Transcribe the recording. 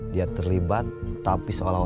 dia terlibat tapi seolah olah